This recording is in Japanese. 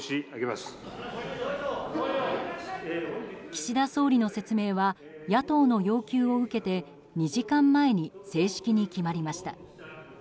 岸田総理の説明は野党の要求を受けて２時間前に正式に決まりました。